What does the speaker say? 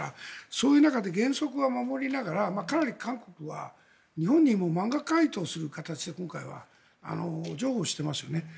そういう中で原則は守りながらかなり韓国は日本にも満額回答する形で今回は譲歩していますよね。